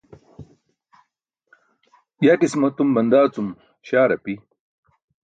Yatis matum bandaa cum śaar api.